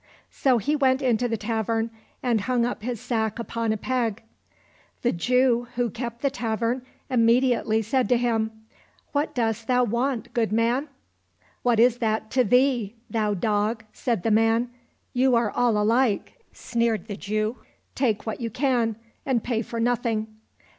So he went into the tavern and hung up his sack upon a peg. The Jew who kept the tavern immediately said to him, " What dost thou want, good man }"—" What is that to thee, thou dog ?" said the man. —" You are all alike," sneered the Jew, " take what you can, and pay for nothing."